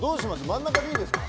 真ん中でいいですか。